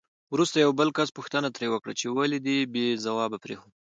وروسته یو بل کس پوښتنه ترې وکړه چې ولې دې بې ځوابه پرېښود؟